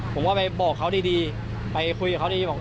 ผมก็ไปบอกเขาดีไปคุยกับเขาดีบอก